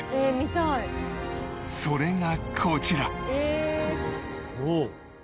それがこちら。